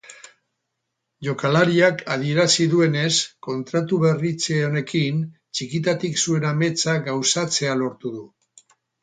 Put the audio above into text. Jokalariak adierazi duenez, kontratu berritze honekin txikitatik zuen ametsa gauzatzea lortu du.